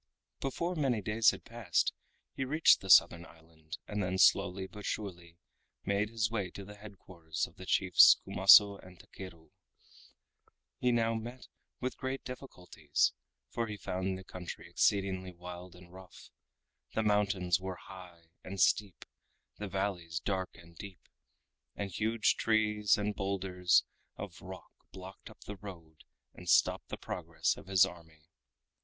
Before many days had passed he reached the Southern Island, and then slowly but surely made his way to the head quarters of the chiefs Kumaso and Takeru. He now met with great difficulties, for he found the country exceedingly wild and rough. The mountains were high and steep, the valleys dark and deep, and huge trees and bowlders of rock blocked up the road and stopped the progress of his army.